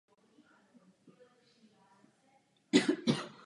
V listopadu se pak stal členem Spojeného strategického průzkumného výboru.